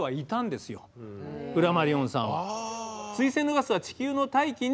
フラマリオンさんは。